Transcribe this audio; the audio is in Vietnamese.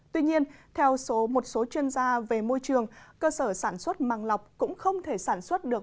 tuy nhiên theo một số chuyên gia về môi trường cơ sở sản xuất màng lọc cũng không thể sản xuất được